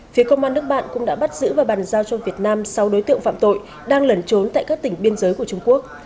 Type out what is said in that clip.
phía công an nước bạn cũng đã bắt giữ và bàn giao cho việt nam sáu đối tượng phạm tội đang lẩn trốn tại các tỉnh biên giới của trung quốc